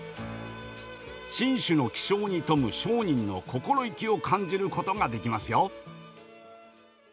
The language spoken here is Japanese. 進取の気性に富む商人の心意気を感じることができますよ。